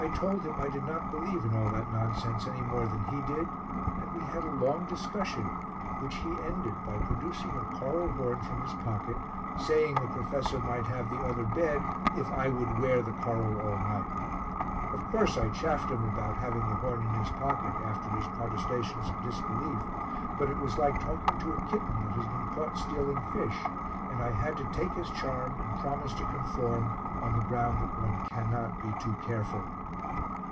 I told him I did not believe in all that nonsense any more than he did and we had a long discussion which he ended by producing a coral horn from his pocket, saying the professor might have the other bed if I would wear the coral all night. Of course I chaffed him about having the horn in his pocket after his protestations of disbelief, but it was like talking to a kitten that has been caught stealing fish and I had to take his charm and promise to conform on the ground that one cannot be too careful.